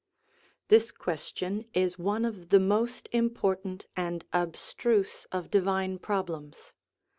This question is one of the most important and abstruse of divine problems.